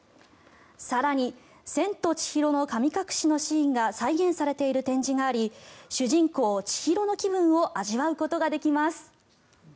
更に「千と千尋の神隠し」のシーンが再現されている展示があり主人公・千尋の気分を味わうことができます。